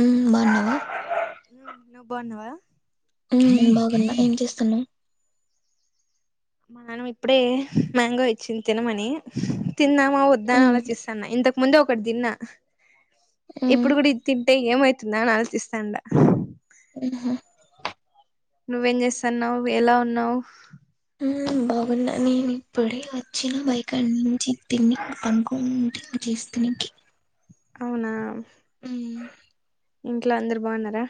మ్ బాన్నవా బావున్నవా మ్ బాగున్నా ఏం చేస్తున్నావ్ మనం ఇప్పుడే మ్యాంగో ఇచ్చింది తినమని తిన్నామా వద్దా అని ఉమ్ అలొచిస్తాన్న ఇంతకు ముందే ఒకటి దిన్నా ఉమ్ ఇప్పుడు కూడా ఇది తింటే ఏమైతుందా అని ఆలోచిస్తాండ మ్ హు మ్ నువ్వేం చేస్తున్నావు. ఎలా ఉన్నావు [inaudible] నా నేను ఇప్పుడే వచ్చిన బైయికాడి నుంచి తిని పనుకొని చేస్తిని అవునా మ్ ఇంట్లో అందరు బావున్నారా.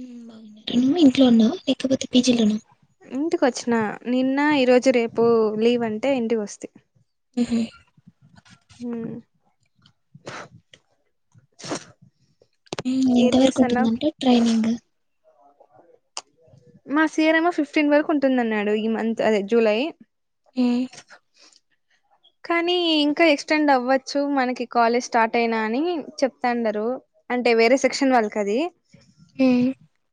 మ్ బాగున్నారు నువ్వు ఇంట్లో ఉన్నావా లేకపోతే పీజిలో నా ఇంటికి వచ్చిన నిన్న ఈరోజు రేపు లీవ్ అంటే ఇంటికి వస్తీ మ్ మ్ ఎంత ఏం వరకు చేస్తాన్నావ్ ఉంటుందంటే ట్రైనింగ్ మా సియర్ ఏమొ ఫిఫ్టీన్ వరకు ఉంటుంద అన్నాడు ఈ మంత్ అదే జూలై ఉమ్ [inaudible] కానీ ఇంకా ఎక్స్టెండ్ అవ్వచ్చు మనకి కాలేజ్ స్టార్ట్ అయినా అని చెప్తాండరూ అంటే వేరే సెక్షన్ వాళ్ళకది హమ్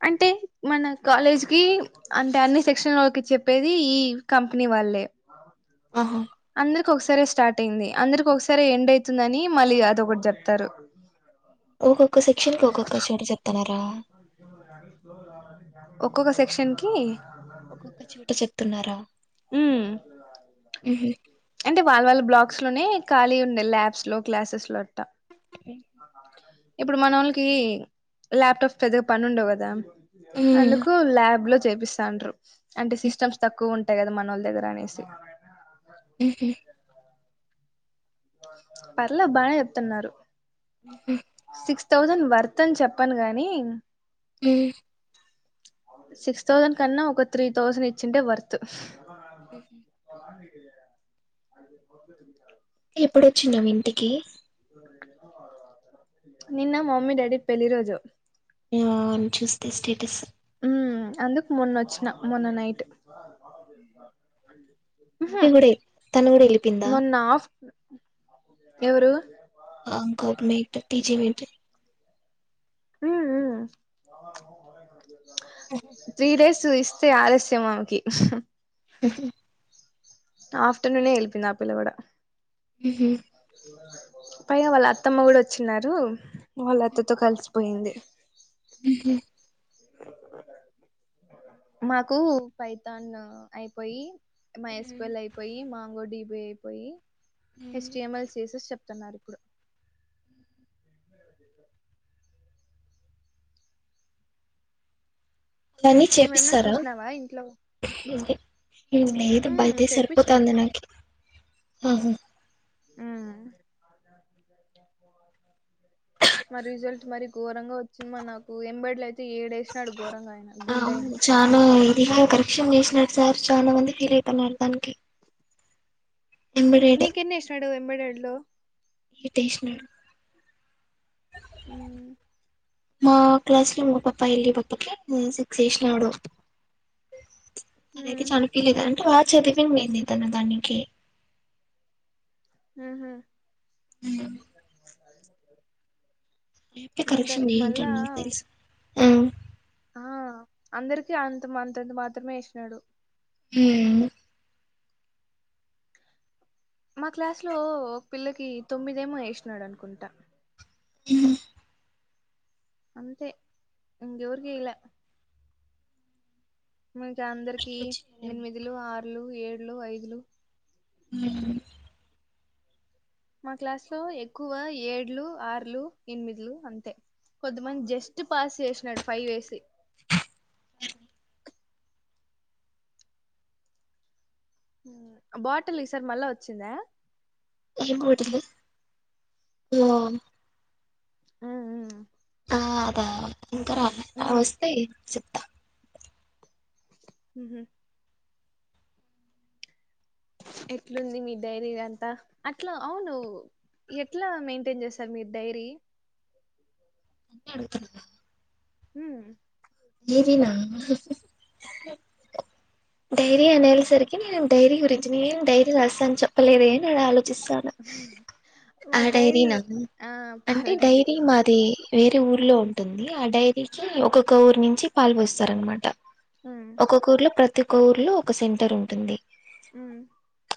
అంటే మన కాలేజ్ కి అంటే అన్ని సెక్షన్ లోకి చెప్పేది ఈ కంపెనీ వాళ్ళే ఆహా సరే స్టార్ట్ అయింది అందరికి ఒకసారె ఎండ్ అయితుందని మళ్ళీ అదొకటి చెప్తారు ఒక్కొక్క సెక్షన్ కి ఒక్కొక్క చోట చెప్తనారా ఒక్కొక్క సెక్షన్ కి న్నారా మ్ వాళ్ళ వాళ్ళ బ్లాక్స్ లోనే ఖాళీ ఉండే ల్యాబ్స్ లో క్లాసెస్ లో మ్ ఇప్పుడు మనోళ్ళకీ ల్యాప్ టాప్ పెద్దగా పని ఉండవు కదా ఉమ్ అందుకు ల్యాబ్ లో చే పిస్తాండ్రూ అంటే సిస్టమ్స్ తక్కువ ఉంటయి కదా మనోళ్ళ దగ్గర అనేసి హు హుమ్ పర్లే బానే చెప్తున్నారు ఉ హు థౌసంద్ వర్క్ అని చెప్పను గాని ఉ సిక్స్ థౌజండ్ కన్నా ఒక త్రీ థౌజండ్ ఇచ్చింటే వర్త్ ఉహు టీవీ సౌండ్ ఎప్పుడొచ్చినావ్ ఇంటికి నిన్న మమ్మీ డాడి పెళ్లి రోజు ఆ చూస్తే స్టేటస్ ఉ అందుకు మొన్న వచ్చిన మొన్న నైట్ ఉహు హ్యాపీ బర్త్డే తనూ కూడా వెళ్ళిపోయిందా మొన్న ఆఫ్ ఎవరు అంకొప్ మేక్ టీజే వెంట్ ఉ ఉ త్రీ డేస్ బుక్స్ తీస్తే ఆలస్యం ఆమెకి ఉహు ఆఫ్టర్నూన్ వెళ్ళిపోయింది ఆ పిల్ల కూడా మ్హూ, పైగా వాళ్ళ అత్తమ్మ కూడా వచ్చిన్నారు వాళ్ళ అత్తతో కలిసిపోయింది ఉ హు ఉ హు మాకు పైతాన్ అయిపోయి మైస్కవల్ అయిపోయి మాంగోడి అయిపోయి హెస్టిఎంఎల్ చేసేసి చెప్తున్నారు ఇప్పుడు అవన్నీ నువ్వేమన్నా చేపిస్తారా చూసినావా ఇంట్లో ఇ మేదు ఉమ్ బయద సరిపోతా చేపిచ్చినారు అంది నాకి ఆహా ఆ మా రిజల్ట్ మరి ఘోరంగా వచ్చింది మా నాకు ఎంబడ్లు అయితే ఏడు వేసినడు ఆ అవును చాలా ఇది విషం చేసినాడు సార్ చాలా మంది ఫీల్ అయిపోతున్నారు దానికి ఎంబడేడ్ ఎన్నింటికి ఎన్ని వేసినాడు ఎంబ్రాయిడరీలో ఎయిట్ వేసినాడు ఉమ్ మా క్లాస్ లో మా పప్పా ఎళ్లి పప్పకి సిక్స్ చేసినాడు తనకి చనిపిలేది అంటే వా చదివి లేంది తను దానికి ఉ హు ఉమ్. రేపే కరెక్షన్ దానికి మళ్ళా చేయింటండి నాకు తెలుసు ఆ ఆ అందరికి అంతంత మాత్రమే వేసినాడు ఉ మా క్లాస్ లో ఒక పిల్లకి తొమ్మిదేమో వేసినాడు అనుకుంటా ఉ అంతే ఎవరికి వేయలే మంచిగా అందరికి ఎనిమిదిలు ఆరులు ఏళ్లు ఐదులు ఉ హు మా క్లాస్ లో ఎక్కువ ఏడ్లు ఆర్లు ఎనిమిదిలు అంతే కొంతమంది జస్ట్ పాస్ చేసినాడు ఫైవ్ వేసి ఆ బాటిల్ ఈ సార్ మళ్ళా వచ్చిందా ఏం బటిల్ ఆ ఆ అదా ఇంకరాల వస్తే చర్ ఉ. హు ఎట్లుంది మీ డైరీంతా అట్లా అవును ఎట్లా మెయింటైన్ చేస్తారు మీరు డైరీ అన్ని అతు ఉహు ఏ దెనా డైరీ అనే సరికి నేను డైరీ గురించి నను డైరీ రాస్తాను చెప్పలేదుేలో ఆ డైరీ నాన్న ఆ పాల అంటే డైరీ మాది వేరే ఊర్లో ఉంటుంది ఆ డైరీకి ఒక్కొక్క ఊరు నుంచి పాల్ పోొస్తారు అనమాట మ్మ్ ఒక్కొక్క ఊర్లో ప్రతి ఒక్క ఊర్లో ఒక సెంటర్ ఉంటుంది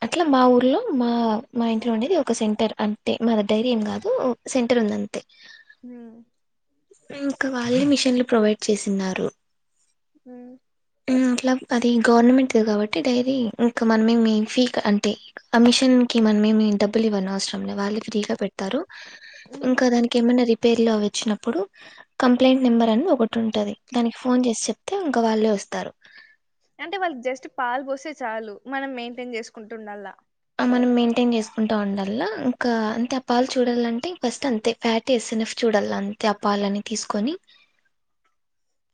అట్లా మా ఊర్లో మా మా ఇంట్లో ఉండేది ఒక సెంటర్ అంటే మా దగ్ డైరీ ఏం కాదు సెంటర్ ఉందింతే హ ఇంకా వాళ్ళే మిషన్లు ప్రొవైడ్ చేసిన్నారు అ మలబ్ అది గవర్నమెంట్ది కాబట్టి డైరీ ఇంకా మనమేమి ఫీ అంటే అమిషన్ కి మనమేమి డబ్బులు ఇవ్వను అవసరం లే వాళ్ళు ఫ్రీగా పెడతారు ఇంకా దానికి ఏమైనా రిపేర్ లో వచ్చినప్పుడు కంప్లైంట్ నెంబర్ అని ఒకటి ఉంటది దానికి ఫోన్ చేసి చెప్తే ఇంకా వాళ్ళే వస్తారు అంటే వాళ్ళు జస్ట్ పాలు పోస్తే చాలు మనం మెయింటైన్ చేసుకుంటుండల్ాల ఆ మనం మెయింటైన్ చేసుకుంటా ఉండల్లా ఇంకా అంతే ఆ పాలు చూడాలంటే ఫస్ట్ అంతే ఫ్యాట్ వేిన చూడ వడల్ అంతే అప్పాలని తీసుకొని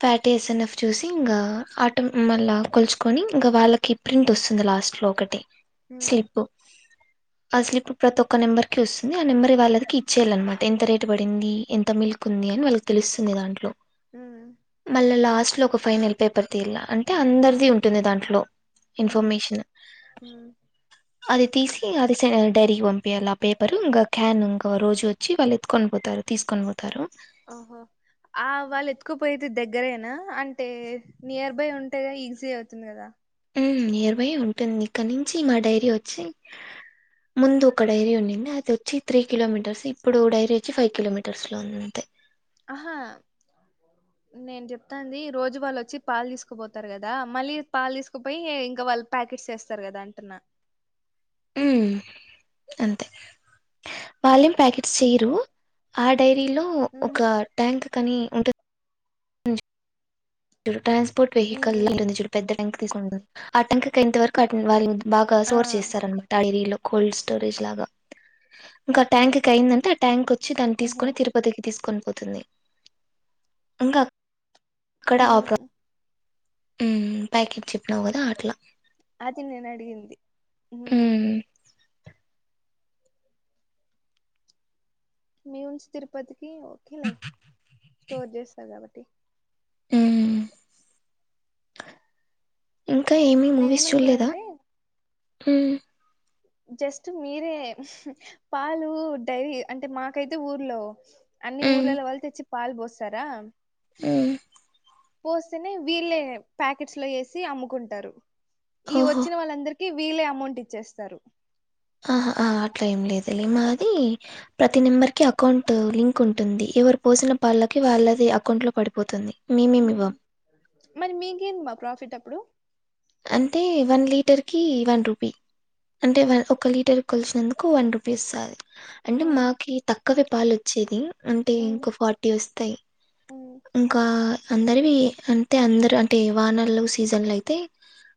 ఫ్యాటస్న్ఫ్ చూసి ఇంకా ఆటో మళ్ళీ కొల్చుకొని ఇంకా వాళ్ళకి ప్రింట్ వస్తుంది లాస్ట్ ఒకటి స్లిప్ స్లిప్ ప్రతి ఒక్క నెంబర్కి ఆ నెంబర్ కి వాళ్ళదికి ఇచ్చయాలనమాట ఎంత రేటు పడింది ఎంత మిల్క్ ఉంది అని వాళ్ళకి తెలుస్తుంది దాంట్లో మళ్ళా లాస్ట్ లో ఒక ఫైనల్ పేపర్ తీయాల అంటే అందరిది ఉంటుంది దాంట్లో ఇన్ఫర్మేషన్ అది తీసి అది స్ డైరీకి పంపయాలి ఆ పేపర్ ఇంకా క్యాన్ ఇంకా రోజు వచ్చి వాళ్ళు ఎత్తుకొని పోతారు తీసుకొని పోతారు ఆహో ఆ వాళ్ళు ఎత్తుకుపోయిది దగ్గరయినా అంటే నియర్ బై ఉంటేగా ఈజీ అవుతుంది కదా మ్ నియర్ బై ఉంటుంది ఇక్కడి నుంచి మా డైరీ వచ్చి ముందు ఒక డైరీ ఉండింది అది వచ్చి త్రీ కిలోమీటర్స్ ఇప్పుడు డైరీ వచ్చి ఫైవ్ కిలోమీటర్స్ లో ఉంది అంతే ఆహా నేను చెప్తాంది రోజు వాళ్ళు వచ్చి పాలు తీసుకుపోతారు కదా మళ్ళీ పాలు తీసుకుపోయి ఇంకా వల్ ప్యాకెట్స్ వేస్తారు కదా అంటున్నా ఉమ్ అంతే వాళ్లేం ప్యాకెట్స్ చెయరు మ్మ్ ఆ డైరీలో ఒక ట్యాంక్ కానీ ఉంటుంది హ ట్రాన్స్పోర్ట్ మ్మ్ మ్మ్ వెహికల్ంటంది పెద్ద టంక్ తీసుకుంటుంది ఆ టంక్ కంత వరకు వారి బాగా ఆ సోర్ చేస్తారు అనమాట ఆ డైరీలో కోల్డ్ స్టోరేజ్ లాగా ఇంకా ఆ ట్యాంక్ కి అయిందంటే ఆ ట్యాంక్ వచ్చి దాన్ని మ్మ్ తీసుకొని తిరుపతికి తీసుకొని పోతుంది ఇంకా అక్కడ ఆ మ్మ్ ప్ర ప్యాకెట్ చెప్పినావు కదా అట్లా అది నేను అడిగింది హు ఉమ్ మీ ఉంచి తిరుపతికి ఓకేలే స్టోర్ చేస్తారు కాబట్టి ఉమ్ ఇంకా ఏమీ నేనే మూవీస్ చూడలేదా ఏమనుకున్నానంటే హుమ్ జస్ట్ మీరే పాలు ఉహ్ డైరీ అంటే మాకైతే ఊర్లో అన్ని ఉమ్ ఊర్లలో వాళ్ళు తెచ్చి పాలు పోస్తారా ఊ పోస్తేనే వీళ్ళే ప్యాకెట్స్ లో వేసి అమ్ముకుంటారు ఈ ఓహో వచ్చిన వాళ్ళందరిక కి వీలే అమౌంట్ ఇచ్చేస్తారు ఆహ్ ఆ అట్లా ఏం లేదులే మాది ప్రతి నెంబర్కి అకౌంట్ లింక్ ఉంటుంది ఎవరు పోసిన పళ్ళకి వాళ్ళది అకౌంట్ లో పడిపోతుంది మేమేమివ్వం మరి మీకేందిమా ఆ ప్రాఫిట్ అప్పుడు అంటే వన్ లీటర్ కి వన్ రూపీ అంటే మ్ ఒక లీటర్ కలిసినందుకు వన్ రూపీస్స్తుంది అంటే మ్ మాకు తక్కువే పాలు వచ్చేది అంటే మ్ ఇంకా ఫార్టీ వస్తాయి మ్ ఇంకా అందరివి అంటే అందరు అంటే వానలు సీజన్లు అయితే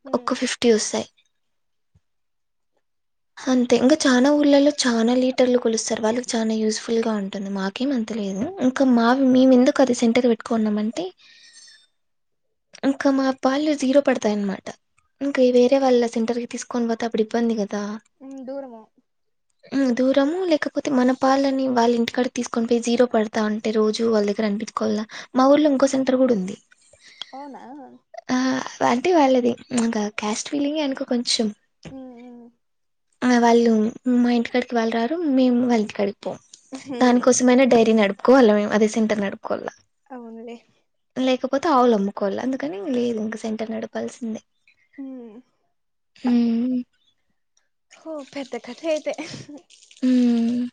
మ్ ఒక్క ఫిఫ్టీ వస్తాయి అంతే ఇంకా చాలా ఊర్లలో చాలా లీటర్లు కోలుస్తారు వాళ్ళకి చాలనా యూజ్ఫుల్ గా ఉంటుంది మాకేం అంతలేదు ఇంకా అవి మేము ఎందుకు అది సెంటర్ పెట్టుకున్నామ అంటే అంకా మా పల్ జీరో పడ పడతాయి అనమాట ఇం వేరే వాళ్ళ సెంటర్ కి తీసుకొని పోతే అప్పుడు ఇబ్బంది కదా ఉ దూరముందు దూరము లేకపోతే మన పళ్ళని వాళ్ళ ఇంటికాడ తీసుకొని పోయి జీరో పడతా ఉంటే రోజు వాళ్ళ దగ్గర అండి కోల్లా మా ఊర్లో ఇంకో సెంటర్ గుడ ఉంది అవునా వంటి వాళ్ళది ప్చ్ ఇక క్యాస్ట్ ఫీలింగ్ అనుక కొంచెం మ్మ్ మ్మ్ ఆ వాళ్ళు మా ఇంటికి కడికి వాళ్ళు రారు మేము వాళ్ళ ఇంటి కడుగు పొ మ్ దానికోసమైన డైరీ నడుపుకోవాల మేము అదే సెంటర్ నడుపుకోవాల్ల అవునులే లేకపోతే ఆవులు అమ్ముకోవలె అందుకని మేము ఇంక సెంటర్ నడుపాల్సిందే మ్ హామ్ హో పెద్ద కథే ఎ అయితే ఉమ్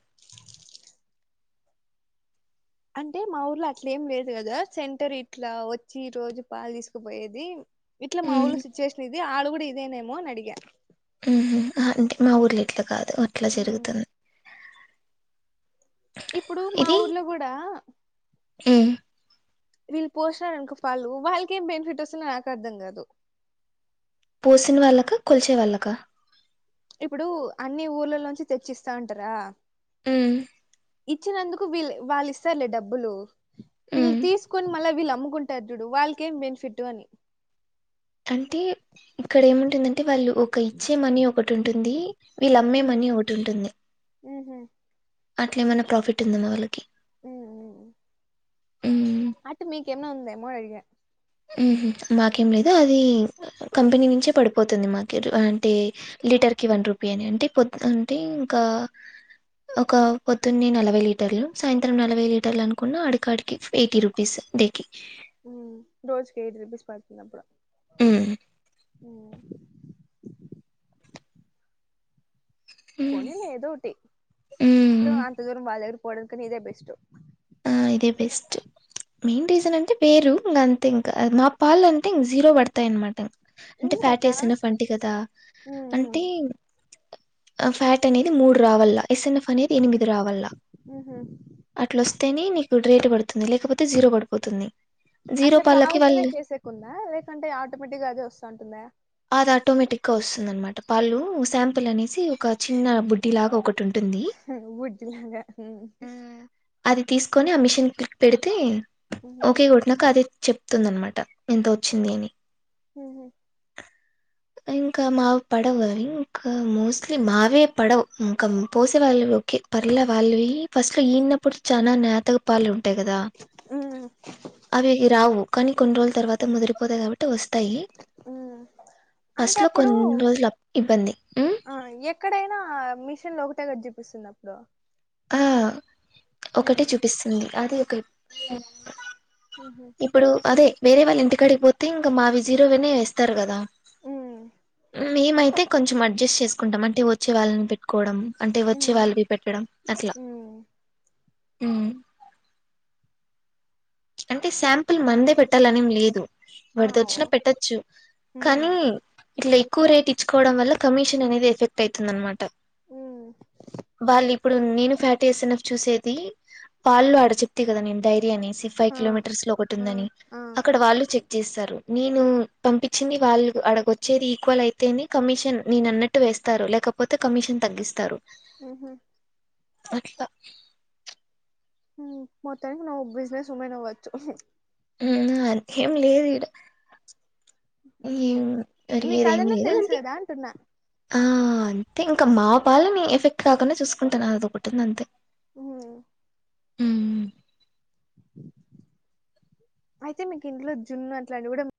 అంటే మా ఊర్లో అట్ల ఏం లేదు కదా సెంటర్ ఇట్ల ఆ వచ్చి రోజు పాలు తీసుకుపోయేది ఇట్ల మా ఉమ్ ఊళ్ళో సిచ్యుయేషన్ ఇది ఆడ గుడా ఇదేనేమో అని అడిగా ఉహు ఆ, అంటే మా ఊర్లో ఇట్లా కాదు అట్ల ఉమ్, జరుగుతది ఇప్పుడు మా ఊర్లో కూడా మ్మ్ వీళ్ళు పోసినారనుకో పాలు వాళ్ళకేం బెనిఫిట్ వస్తుందో నాకు అర్ధం కాదు పోసిన వాళ్ళకు కొలిసే వాళ్ళక అ ఇప్పుడు అన్ని ఊర్లలోంచి తెచ్చిస్తా ఉంటారా మ్మ్ హ్హ్ ఇచ్చినందుకు వీళ్ళు వాళ్ళు ఇస్తారులే డబ్బులు వీళ్ళు ఉమ్ తీసుకొని మళ్ళ వీళ్ళు అమ్ముకుంటారు చూడు వాళ్ళకేం బెనిఫిటు అని అంటే ఇక్కడ ఏము ఉంటుంద అంటే వాళ్ళు ఒక ఇచ్చే మనీ ఒకటి ఉంటుంది వీళ్ళు అమ్మే మనీ ఒకటి ఉంటుంది ఉహు అట్లేమన్న ప్రాఫిట్ ఉందమో వాళ్ళకి ఉమ్ ఆటు మీకు ఎమ్న్ అ ఉందో ఏమో అడిగా మ్మ్ హ్హ్ మాకేం లేదు అది ఇ కంపెనీ నుంచే పడిపోతుంది మాకు ఇ రు ఉ అంటే లీ టర్ కి వన్ రూపి అని అంటే పొద్ అంటే ఈ ఇంకా ఒక పొత్తున్నె నలభై లీటర్లు సాయంత్రం నలభై లీటర్ల అనుకున్న అడకాడికి ఎయిటీ రూపీస్ గిదకి రోజుకి ఎయిట్ రూపీస్ పడుతుందప్పుడు.... హ్మ్. మ్మ్ హ్మ్. పోనీలే ఏదో ఒకటి ఇ తు హ్మ్. సోఅంత దూరం వాళ్ళదర పోవడంకన్న ఇదే బెస్ట్ ఆ ఇదే బెస్ట్ ప్చ్ మెయిన్ రీజన్ అంటే పేరు ఇంగ అంతే ఇంక అ మా పాలంటే ఇంగ్ జీరో పడుతయి అన్ మాటా అంటే ఫ్యాట్ ఎందుకట్టా ఏసిన ఫంటి గదా అంటే ఇన్ ఆ ఫ్యాట్ అనేది మూడు రావా అల్ల ఎస్ఎన్ఎఫ్ అనేది ఎనిమిది రావాల్ల అట్ల వొస్తేనే నీకు రేటు పడుతుంది లేక్ లేకపోతే జీరో పడిపోతుంది జీరో అట్ల పాలకి కావాల్సిన వాళ్ళు చేసేకుందా లేకుంటే ఆటోమేటిక్ గా అదే వస్తా అంటుందా అది ఆటోమేటిక్ గా వస్తుందనమాట పాళ్లు శాంపుల్ అనేసి ఒక చిన్న బుడ్డి లాగా ఒకట్ హ్ చిన్న బుడ్డి లాగ హ్హ్ హ్ అది తీసుకొని ఆ మిషన్ క్లిక్ పెడితే ఓకే కొట్టినక అదే చెప్తుంద అన్నమాట ఎంత వచ్చింది అని మ్మ్ హు ఇంక మా పడవ ఇంకా మోస్ట్లీ మావే పడవు ఇంక పోసేవాళ్ళు కే పర్లే వాళ్ళవి ఈ ఫస్ట్ ఈనినప్పుడు చానా నతగ పాలుం టే గదా అవి ఇ రావు కానీ కొన్ని రోజుల తర్వాత ముదిరిపోతాయి కాబట్ ట్టి వస్తాయి అంటే ఫస్ట్లో అప్పుడు ఉ కొన్ని రోజులు అప్ ఇబ్బంది ఉమ్, అ ఎక్కడైనా ఆ మిషన్ లో ఒకటే కట్ చేపిస్తుంది అప్పుడో ఆ అ ఒకటే చూపిస్తుంది అది ఒక ఇ ప్ ఉహు ఇప్పుడు అదే వేరే వాళ్ళ ఇంటికాడికి పోతే ఇంగ్ మావి జీరోవనే ఏస్తారు గదా ఉమ్ మేమై అయితే కొంచెం అడ్జస్ట్ చేసుకుంటం అంటే వచ్చే వాళ్ళని పెట్టుకోవడం అంటే వచ్చే ఉమ్ వాళ్ళవి పెట్టడం అంత ఇగ ఉమ్ హూ అంటే శాంపుల్ మన్దే పెట్టాల అని ఏమ్ లేదు ఆవ్ వరదోచిన పెట్టొచ్చు ఉమ్ కానీ ఇట్లా ఎక్కువ రేట్ ఇచ్చుకోవడం వల్ల కమిషన్ అనేది ఎఫెక్ట్ అయిత అంది అన్నమాట ఉమ్ వాలి ఇప్పుడు నేను ఫ్యాట్ వేసిన చూసేది పాలుల్లో ఆడ చెప్తతే కదా నేను డైరీ అనేసి ఫైవ్ ఆ కిలోమీటర్స్ లో ఒకటి ఆ ఉందని ఆ అక్కడ వాళ్ళు చెప్ ఇస్తారు నేను పంపించింది వాళ్ళు అడకి వచ్చేది ఈక్వల్ అయితేని కమిషన్ నేను అన్న అట్టు వే ఇస్తారు లేకపోతే కమిషన్ తగ్గిస్తారు ఉహు ఏట్లా మొత్తానికి నువ్వు బిజినెస్ ఉమెన్ అవ్వచ్చు [unintelligible] ఉమ్ న మీకు అడిగేది ఏం అదన్నా లేదు తెలుసు అండి కదా అంటున్నా ఆ అంతే ఇంకా మా పాలని ఎఫెక్ట్ కాకుండా చూసుకుంటాను అది ఒకటుంది అంతే హూ ఉమ్ అయితే మీకు ఇంట్లో జున్ను అట్లాంటివి కూడా